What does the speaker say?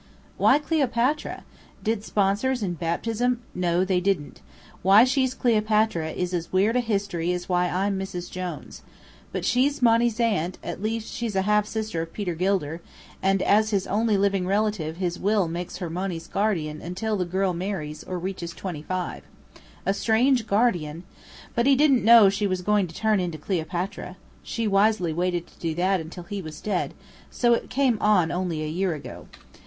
Why Cleopatra? Did sponsors in baptism " "No, they didn't. Why she's Cleopatra is as weird a history as why I'm Mrs. Jones. But she's Monny's aunt at least, she's a half sister of Peter Gilder, and as his only living relative his will makes her Monny's guardian till the girl marries or reaches twenty five. A strange guardian! But he didn't know she was going to turn into Cleopatra. She wisely waited to do that until he was dead; so it came on only a year ago.